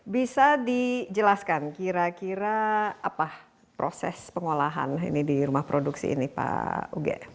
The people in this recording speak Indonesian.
bisa dijelaskan kira kira apa proses pengolahan ini di rumah produksi ini pak uge